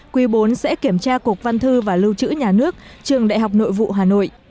quý bốn sẽ kiểm tra cục văn thư và lưu trữ nhà nước trường đại học nội vụ hà nội